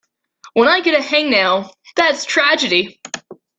When I get a hangnail, that's tragedy.